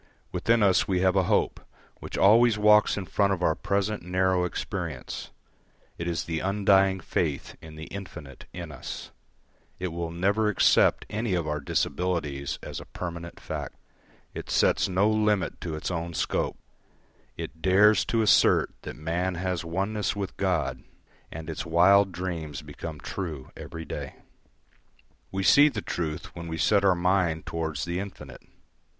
Within us we have a hope which always walks in front of our present narrow experience; it is the undying faith in the infinite in us; it will never accept any of our disabilities as a permanent fact; it sets no limit to its own scope; it dares to assert that man has oneness with God; and its wild dreams become true every day. We see the truth when we set our mind towards the infinite.